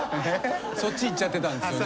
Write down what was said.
そっちいっちゃってたんですよね。